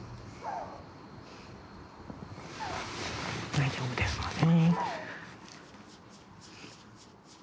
大丈夫ですのでね。